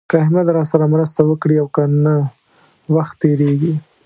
که احمد راسره مرسته وکړي او که نه وخت تېرېږي.